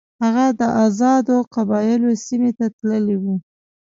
هغه د آزادو قبایلو سیمې ته تللی وو.